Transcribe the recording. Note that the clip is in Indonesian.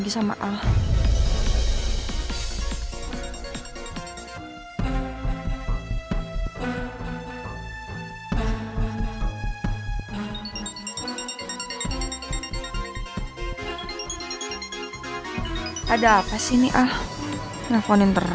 oke makasih infonya